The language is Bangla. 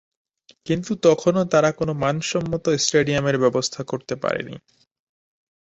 কিন্তু তখনও তারা কোন মানসম্মত স্টেডিয়ামের ব্যবস্থা করতে পারেনি।